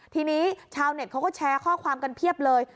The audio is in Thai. ทีนี้ชาวเน็ตเขาก็แชร์ข้อความกันเพียบเลย